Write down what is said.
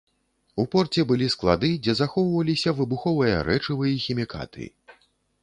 У порце былі склады, дзе захоўваліся выбуховыя рэчывы і хімікаты.